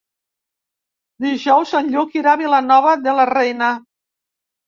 Dijous en Lluc irà a Vilanova de la Reina.